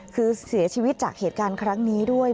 คือเสียชีวิตจากเหตุการณ์ครั้งนี้ด้วย